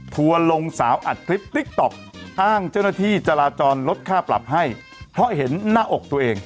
ทัวร์ลงสาวอัดคลิปติ๊กต๊อกอ้างเจ้าหน้าที่จราจรลดค่าปรับให้เพราะเห็นหน้าอกตัวเอง